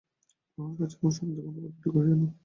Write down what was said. উঁহার কাছে আমার সম্বন্ধে কোনো কথাটি কহিয়ো না।